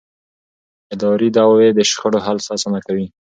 اداري دعوې د شخړو حل اسانه کوي.